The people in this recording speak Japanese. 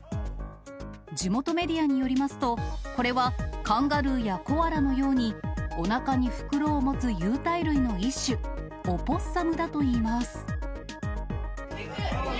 地元メディアによりますと、これはカンガルーやコアラのように、おなかに袋を持つ有袋類の一種、オポッサムだといいます。